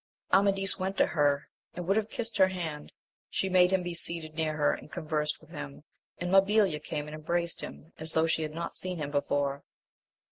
Amadis went to her, and would have kissed her hand ; she made him be seated near her and conversed with him, and Mabilia came and embraced him, as though she had not seen him before.